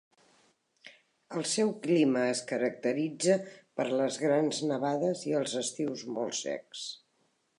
El seu clima es caracteritza per les grans nevades i els estius molt secs.